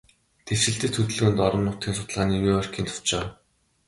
Дэвшилтэт хөдөлгөөнд, орон нутгийн судалгааны Нью-Йоркийн товчоо